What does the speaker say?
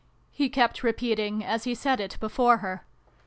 he kept repeating, as he set it before her.